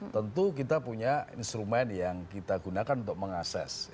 tentu kita punya instrumen yang kita gunakan untuk mengakses